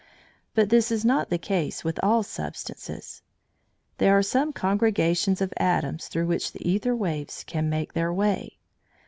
But this is not the case with all substances. There are some congregations of atoms through which the æther waves can make their way.